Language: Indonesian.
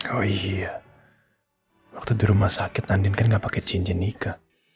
oh iya waktu di rumah sakit nandin kan gak pake cincin ika